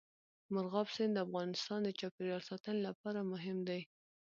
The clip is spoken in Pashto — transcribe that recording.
مورغاب سیند د افغانستان د چاپیریال ساتنې لپاره مهم دی.